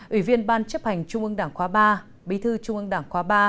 ủy viên ban chấp hành trung ương đảng khóa ba bí thư trung ương đảng khóa ba